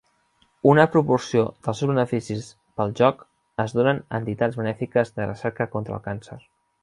Una proporció dels seus beneficis pel joc es donen a entitats benèfiques de recerca contra el càncer.